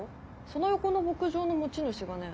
その横の牧場の持ち主がね